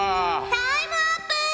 タイムアップ！